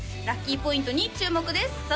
ラッキーポイントに注目です